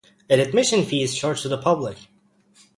An admission fee is charged to the public.